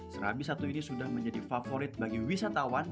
serabi satu ini sudah menjadi favorit bagi wisatawan